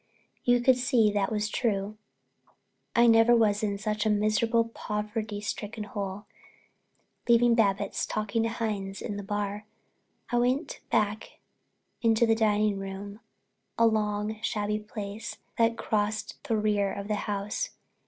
You could see that was true. I never was in such a miserable, poverty stricken hole. Leaving Babbitts talking to Hines in the bar, I went back into the dining room, a long, shabby place that crossed the rear of the house.